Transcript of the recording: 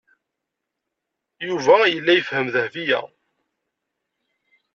Yuba yella yefhem Dahbiya.